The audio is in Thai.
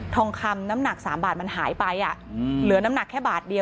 ทองคำน้ำหนัก๓บาทมันหายไปอ่ะเหลือน้ำหนักแค่บาทเดียว